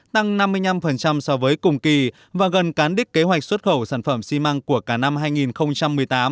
tăng năm mươi năm so với cùng kỳ và gần cán đích kế hoạch xuất khẩu sản phẩm xi măng của cả năm hai nghìn một mươi tám